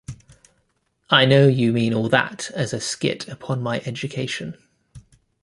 I know you mean all that as a skit upon my education.